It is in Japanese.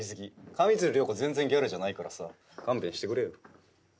上水流涼子全然ギャルじゃないからさ勘弁してくれよ。